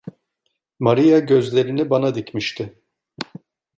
Maria gözlerini bana dikmişti.